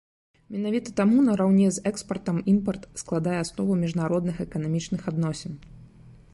Менавіта таму, нараўне з экспартам, імпарт складае аснову міжнародных эканамічных адносін.